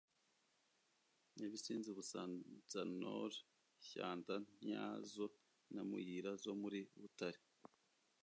nyabisindu (busanza-nord), shyanda, ntyazo na muyira zo muri butare.